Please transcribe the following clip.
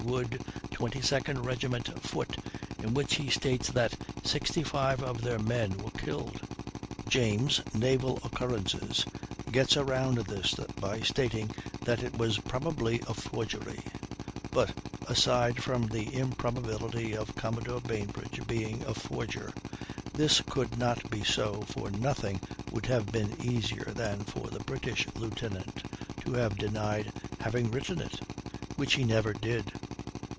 Wood, 22d Regiment, foot, in which he states that 65 of their men were killed. James ("Naval Occurrences") gets around this by stating that it was probably a forgery; but, aside from the improbability of Commodore Bainbridge being a forger, this could not be so, for nothing would have been easier than for the British lieutenant to have denied having written it, which he never did.